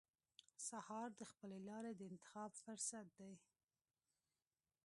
سهار د خپلې لارې د انتخاب فرصت دی.